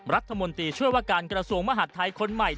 รัฐมนตรีช่วยว่าการกระทรวงมหาดไทยคนใหม่